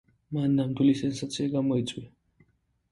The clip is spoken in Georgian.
მან ნამდვილი სენსაცია გამოიწვია.